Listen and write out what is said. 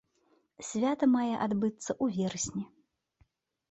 Свята мае адбыцца ў верасні.